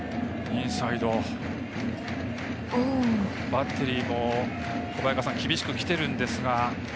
バッテリーも厳しくきてるんですが。